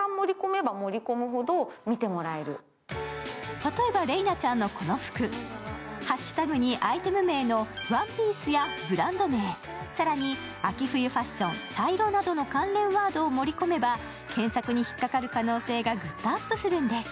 例えば麗菜ちゃんのこの服、ハッシュタグにアイテム名のワンピースやブランド名、更に「秋冬ファッション」、「茶色」などの関連ワードを盛り込めば検索に引っ掛かる可能性がぐっとアップするんです。